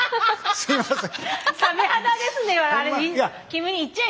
すいません。